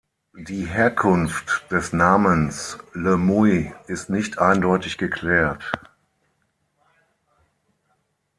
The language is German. Die Herkunft des Namens "Le Muy" ist nicht eindeutig geklärt.